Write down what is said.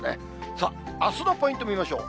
さあ、あすのポイント見ましょう。